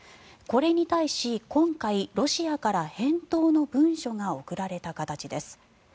これに対し今回、ロシアから返答の文書が送られた形です。